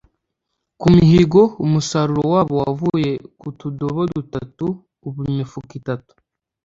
ku mihigo, umusaruro wabo wavuye ku tudobo dutatu uba imifuka itatu